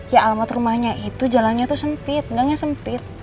ya alamat rumahnya itu jalannya itu sempit gangnya sempit